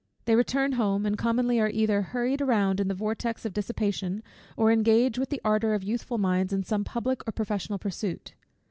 They return home, and commonly are either hurried round in the vortex of dissipation, or engage with the ardour of youthful minds in some public or professional pursuit.